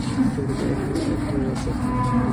এখনো না, স্যার।